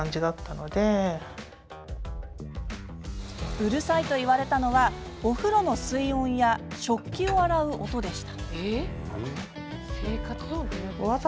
うるさいと言われたのはお風呂の水音や食器を洗う音でした。